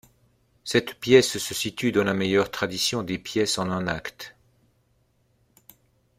Cette pièce se situe dans la meilleure tradition des pièces en un acte.